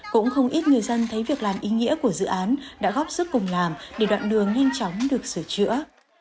cũng không ít người dân thấy việc làm ý nghĩa của dự án đã góp sức cùng làm để đoạn đường nhanh chóng được sửa chữa